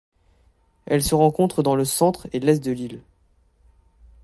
Elle se rencontre dans le centre et l'Est de l'île.